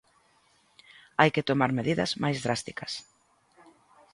Hai que tomar medidas máis drásticas.